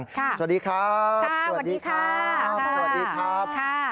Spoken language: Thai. ค่ะสวัสดีครับค่ะสวัสดีครับสวัสดีครับค่ะ